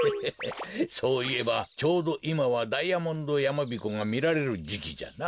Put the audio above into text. そういえばちょうどいまはダイヤモンドやまびこがみられるじきじゃな。